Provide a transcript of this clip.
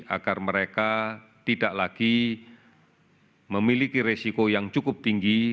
agar mereka tidak lagi memiliki resiko yang cukup tinggi